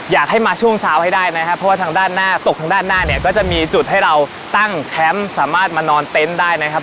อยากให้มาช่วงเช้าให้ได้นะครับเพราะว่าทางด้านหน้าตกทางด้านหน้าเนี่ยก็จะมีจุดให้เราตั้งแคมป์สามารถมานอนเต็นต์ได้นะครับ